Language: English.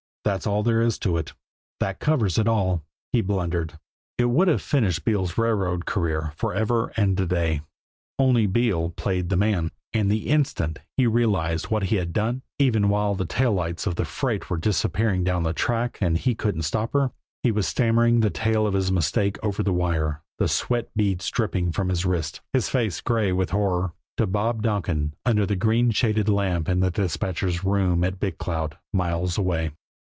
That's all there was to it; that covers it all he blundered. It would have finished Beale's railroad career forever and a day only Beale played the man, and the instant he realized what he had done, even while the tail lights of the freight were disappearing down the track and he couldn't stop her, he was stammering the tale of his mistake over the wire, the sweat beads dripping from his wrist, his face gray with horror, to Bob Donkin under the green shaded lamp in the dispatchers' room at Big Cloud, miles away.